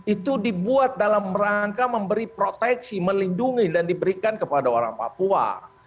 itu dibuat dalam rangka memberi proteksi melindungi dan diberikan kepada orang papua